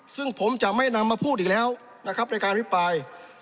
ซึ่งผมจะไม่นำมาพูดอีกแล้วนะครับในการอภิปราย